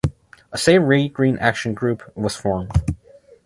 A "Save Wrea Green Action Group" was formed.